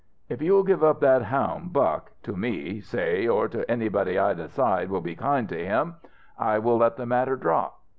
If you will give up that houn' Buck to me, say, or to anybody I decide will be kind to him I will let the matter drop.